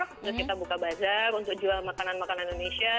terus kita buka bazar untuk jual makanan makanan indonesia